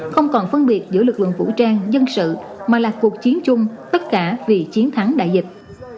không còn phân biệt giữa lực lượng vũ trang dân sự mà là cuộc chiến chung tất cả vì chiến thắng đại dịch